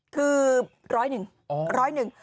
คือร้อยหนึ่ง